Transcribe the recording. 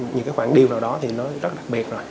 những cái khoảng điều nào đó thì nó rất đặc biệt rồi